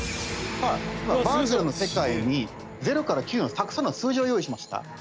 バーチャルの世界に０から９のたくさんの数字を用意しました。